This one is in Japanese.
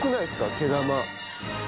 毛玉。